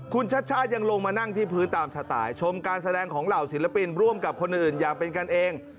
คุณชัดชาติยังลงมานั่งที่พื้นตามสไตล์ชมการแสดงของเหล่าศิลปินร่วมกับคนอื่นอย่างเป็นกันเอง